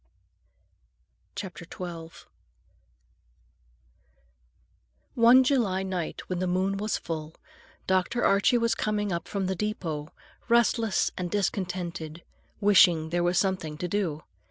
XII One July night, when the moon was full, Dr. Archie was coming up from the depot, restless and discontented, wishing there were something to do.